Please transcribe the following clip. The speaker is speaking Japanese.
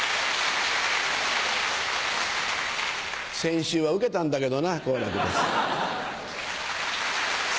先週はウケたんだけどな好楽です。